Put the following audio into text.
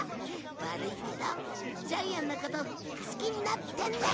悪いけどジャイアンのこと好きになってね！